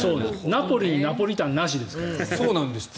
ナポリにナポリタンなしだから。